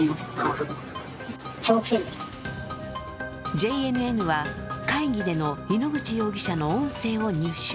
ＪＮＮでは会議での井ノ口容疑者の音声を入手。